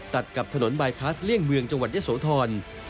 ตัดกับถนนบายพลัสเลี่ยงเมืองจังหวัดยะโสธร